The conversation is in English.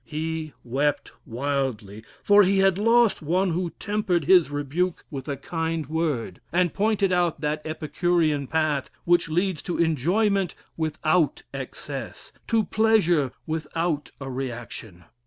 He wept wildly, for he had lost one who tempered his rebuke with a kind word, and pointed out that Epicurean path which leads to enjoyment without excess: to pleasure, without a reaction.